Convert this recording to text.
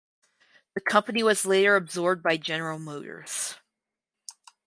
The company was later absorbed by General Motors.